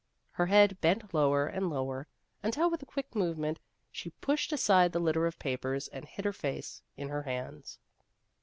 Her head bent lower and lower until with a quick move ment she pushed aside the litter of papers and hid her face in her hands.